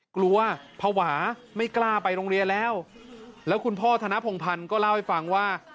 กลัวภาวะไม่กล้าไปโรงเรียนแล้วแล้วคุณพ่อธนพงพันธ์ก็เล่าให้ฟังว่า